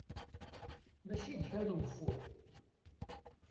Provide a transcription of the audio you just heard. Mačči d kra n wufur.